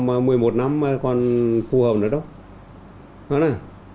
mà một mươi một năm còn phù hợp nữa